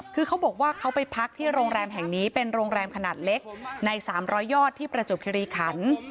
คือเขาบอกว่าเขาไปพักที่โรงแรมแห่งนี้เป็นโรงแรมขนาดเล็กใน๓๐๐ยอดที่ประจวบคิริขัน